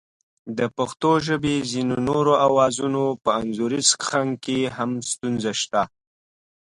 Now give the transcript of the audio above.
د پښتو ژبې ځینو نورو آوازونو په انځوریز کښنګ کې هم ستونزه شته